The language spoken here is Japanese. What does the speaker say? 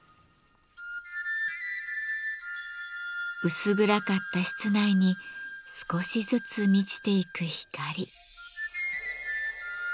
薄暗かった室内に少しずつ満ちていく光。